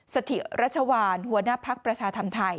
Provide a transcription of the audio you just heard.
สถิรัชวานหัวหน้าภักดิ์ประชาธรรมไทย